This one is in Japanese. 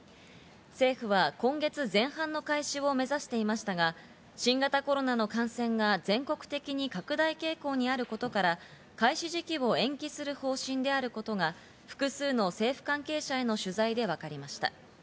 政府は今月前半の開始を目指していましたが、新型コロナの感染が全国的に拡大傾向にあることから、開始時期を延期する方針であることが、複数の政府関係者への取材でわかりました。